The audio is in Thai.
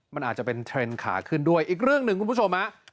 มันอาจจะเป็นเทรนด์ขาขึ้นด้วยอีกเรื่องหนึ่งคุณผู้ชมฮะ